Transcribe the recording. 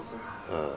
うん。